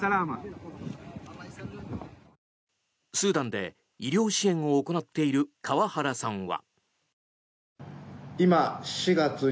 スーダンで医療支援を行っている川原さんは。